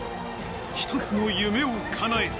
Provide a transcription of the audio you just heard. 一つの夢をかなえた。